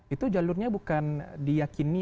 itu jalurnya bukan diyakini